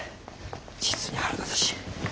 実に腹立たしい。